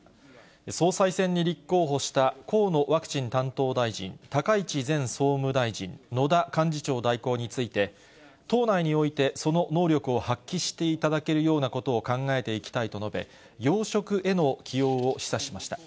総裁選に立候補した河野ワクチン担当大臣、高市前総務大臣、野田幹事長代行について、党内においてその能力を発揮していただけるようなことを考えていきたいと述べ、要職への起用を示唆しました。